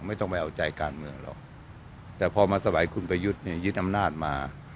ไม่ต้องไปเอาใจการเมืองหรอกแต่พอเมืองสระใบคุณประยุทธนิยินอำนาจมา